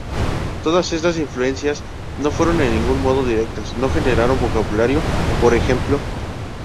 Todas estas influencias no fueron en ningún modo directas; no generaron vocabulario, por ejemplo.